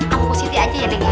aku posisi aja ya neng